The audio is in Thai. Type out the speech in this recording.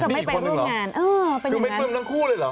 ก็จะไม่ไปร่วมงานเออเป็นอย่างนั้นคือไม่ปลื้มทั้งคู่เลยเหรอ